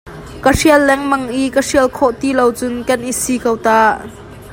Ka hrial lengmang i ka hrial khawh tilocun kan i sii ko ta.